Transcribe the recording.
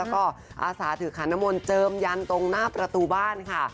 ก็อาสาถือขันนมลเจิมยันตรงหน้าประตูบ้านค่ะ